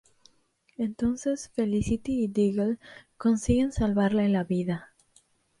Entonces, Felicity y Diggle consiguen salvarle la vida.